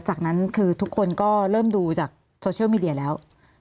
จากนั้นคือทุกคนก็เริ่มดูจากโซเชียลมีเดียแล้ว